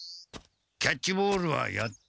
キャッチボールはやった。